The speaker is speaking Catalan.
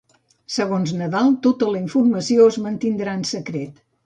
Segons Nadal, tota la informació es mantindrà en secret.